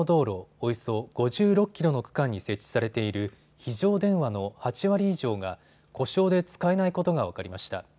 およそ５６キロの区間に設置されている非常電話の８割以上が故障で使えないことが分かりました。